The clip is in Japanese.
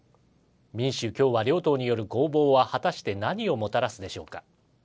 民主・共和両党による攻防は果たして何をもたらすでしょうか。